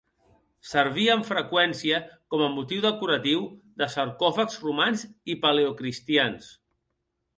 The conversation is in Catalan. Servia amb freqüència com a motiu decoratiu de sarcòfags romans i paleocristians.